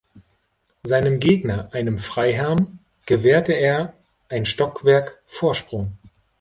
Seinem Gegner, einem Freiherrn, gewährte er ein Stockwerk Vorsprung.